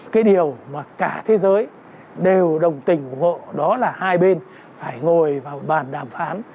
cái điều mà cả thế giới đều đồng tình ủng hộ đó là hai bên phải ngồi vào bàn đàm phán